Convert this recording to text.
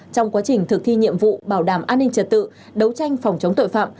trong quá trình thực thi nhiệm vụ bảo đảm an ninh trật tự đấu tranh phòng chống tội phạm